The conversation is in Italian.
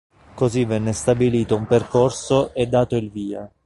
Così venne stabilito un percorso e dato il via.